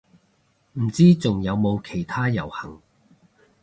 唔知仲有冇其他遊行